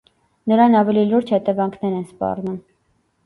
Նրան ավելի լուրջ հետևանքներ են սպառնում։